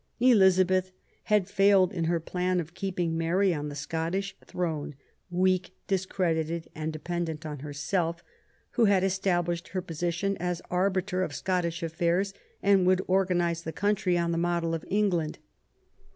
Elizabeth had failed in her plan of keeping Mary on the Scottish throne, weak, discredited and dependent on herself, who had Established her position as arbiter of Scottish affairs, and would organise the country on the model of England.